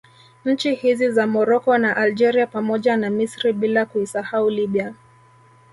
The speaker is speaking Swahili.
Nchi hizi za Morocco na Algeria pamoja na Misri bila kuisahau Libya